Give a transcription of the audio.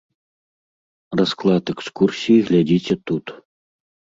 Расклад экскурсій глядзіце тут.